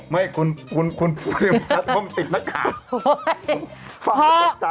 ไม่คุณพิมพ์ชัดความติดหน้ากาก